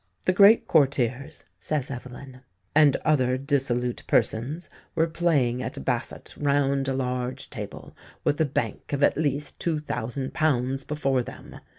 "The great courtiers," says Evelyn, "and other dissolute persons were playing at basset round a large table, with a bank of at least £2000 before them.